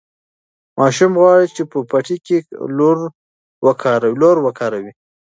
ماشوم غواړي چې په پټي کې لور وکاروي.